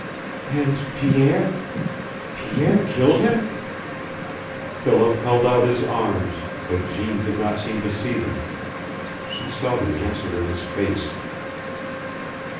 "And Pierre Pierre killed him?" Philip held out his arms, but Jeanne did not seem to see them. She saw the answer in his face.